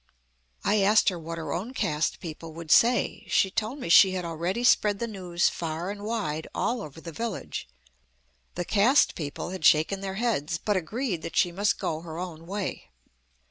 I asked her what her own caste people would say. She told me she had already spread the news far and wide all over the village. The caste people had shaken their heads, but agreed that she must go her own way.